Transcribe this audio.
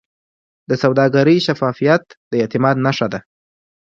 د سوداګرۍ شفافیت د اعتماد نښه ده.